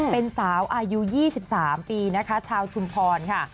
เป็นสาวอายุ๒๓ปีนะคะชาวชุมพรค่ะ